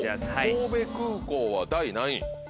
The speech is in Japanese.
神戸空港は第何位？